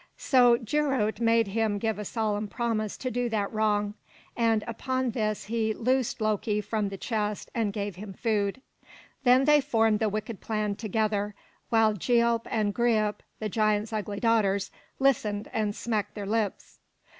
So Geirröd made him give a solemn promise to do that wrong; and upon this he loosed Loki from the chest and gave him food. Then they formed the wicked plan together, while Gialp and Greip, the giant's ugly daughters, listened and smacked their lips.